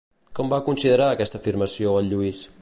Com va considerar aquesta afirmació el Lluís?